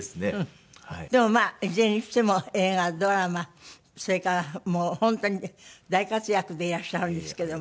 でもいずれにしても映画ドラマそれからもう本当に大活躍でいらっしゃるんですけども。